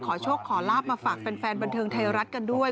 ขอโชคขอลาบมาฝากแฟนบันเทิงไทยรัฐกันด้วย